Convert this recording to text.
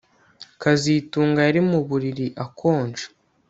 kazitunga yari mu buriri akonje